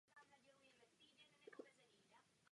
Je to jediný aktivní okraj desky.